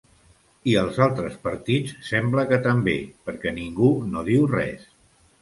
I els altres partits sembla que també, perquè ningú no diu res.